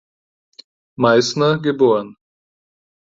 Meißner geboren.